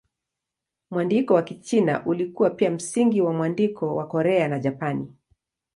Mwandiko wa Kichina ulikuwa pia msingi wa mwandiko wa Korea na Japani.